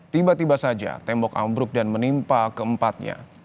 tiba tiba saja tembok ambruk dan menimpa keempatnya